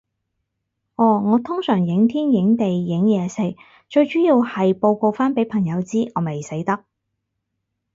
哦，我通常影天影地影嘢食，最主要係報告返畀朋友知，我未死得